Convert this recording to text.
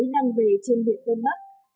đang về trên biển vân bắc